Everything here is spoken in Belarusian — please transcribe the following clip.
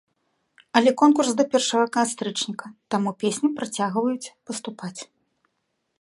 Але конкурс да першага кастрычніка, таму песні працягваюць паступаць.